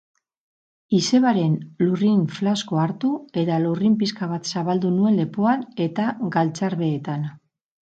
Izebaren lurrin flaskoa hartu eta lurrin pixka bat zabaldu nuen lepoan eta galtzarbeetan.